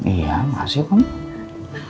iya masih mak